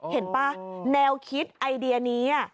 เห็นป่ะแนวคิดไอเดียนี้น่ะ